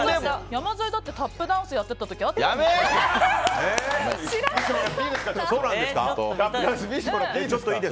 山添だってタップダンスやってた時やめい！